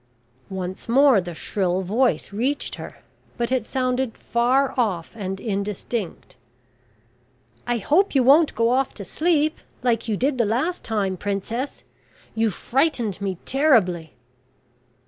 Once more the shrill voice reached her; but it sounded far off, and indistinct: "I hope you won't go off to sleep, like you did the last time, Princess; you frightened me terribly."